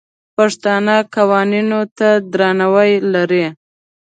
پښتانه قوانینو ته درناوی لري.